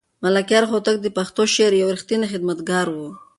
ملکیار هوتک د پښتو شعر یو رښتینی خدمتګار و.